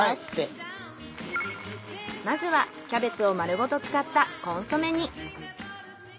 まずはキャベツを丸ごと使ったコンソメ煮。